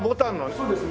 そうですね。